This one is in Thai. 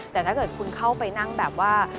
แต่ถ้าเกิดคุณเข้าไปนั่งแบบว่า